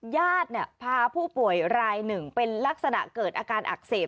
ญาติพาผู้ป่วยรายหนึ่งเป็นลักษณะเกิดอาการอักเสบ